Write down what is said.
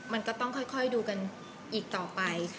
มันก็ต้องค่อยดูกันอีกต่อไป